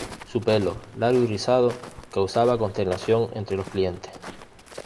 Su pelo, largo y rizado, causaba consternación entre los clientes.